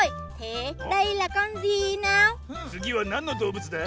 つぎはなんのどうぶつだ？